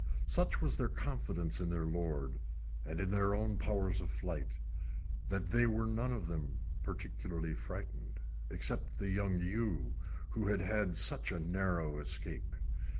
Such was their confidence in their lord, and in their own powers of flight, that they were none of them particularly frightened, except the young ewe who had had such a narrow escape.